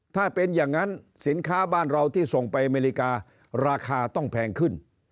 ถ้าเป็นอย่างนั้นสินค้าบ้านเราที่ส่งไปอเมริการาคาต้องแพงขึ้น